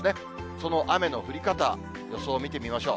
その雨の降り方、予想を見てみましょう。